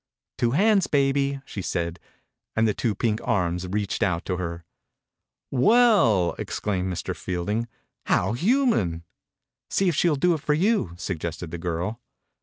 " Two hands, baby," she said, and the two pink arms reached out to her. "Well I" exclaimed Mr. Field ing, " How human! " "See if she will do it for you," suggested the giri.